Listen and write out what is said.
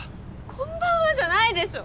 「こんばんは」じゃないでしょ。